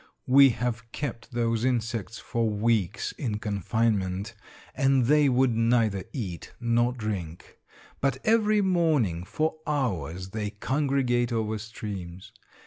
We have kept those insects for weeks in confinement, and they would neither eat nor drink. But every morning for hours they congregate over streams.